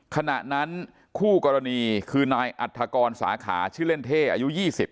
ขณะนั้นคู่กรณีคือนายอัฐกรสาขาชื่อเล่นเท่อายุ๒๐